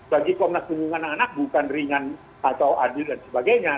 bagi komnas perlindungan anak bukan ringan atau adil dan sebagainya